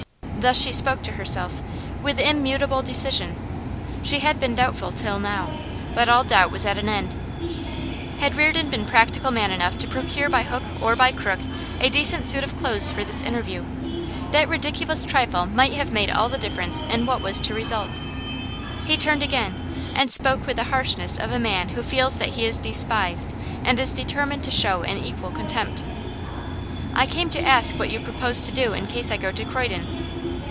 Thus she spoke to herself, with immutable decision. She had been doubtful till now, but all doubt was at an end. Had Reardon been practical man enough to procure by hook or by crook a decent suit of clothes for this interview, that ridiculous trifle might have made all the difference in what was to result. He turned again, and spoke with the harshness of a man who feels that he is despised, and is determined to show an equal contempt. 'I came to ask you what you propose to do in case I go to Croydon.